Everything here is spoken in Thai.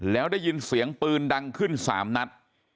แล้วได้ยินเสียงปืนดังขึ้น๓นัด